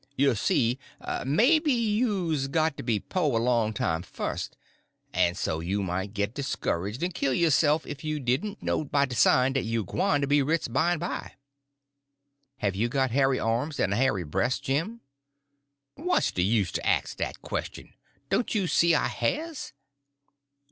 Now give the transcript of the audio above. You see, maybe you's got to be po' a long time fust, en so you might git discourage' en kill yo'sef 'f you didn' know by de sign dat you gwyne to be rich bymeby." "Have you got hairy arms and a hairy breast, Jim?" "What's de use to ax dat question? Don't you see I has?"